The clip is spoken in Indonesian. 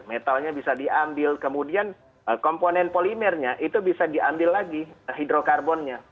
metalnya bisa diambil kemudian komponen polimernya itu bisa diambil lagi hidrokarbonnya